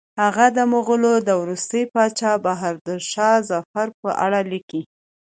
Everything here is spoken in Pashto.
هغه د مغولو د وروستي پاچا بهادر شاه ظفر په اړه لیکي.